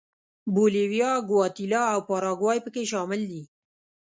بولیویا، ګواتیلا او پاراګوای په کې شامل دي.